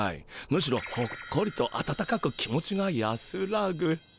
むしろほっこりとあたたかく気持ちが安らぐ。